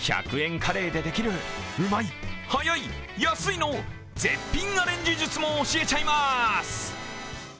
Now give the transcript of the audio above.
カレーでできるうまい、早い、安いの絶品アレンジ術も教えちゃいます！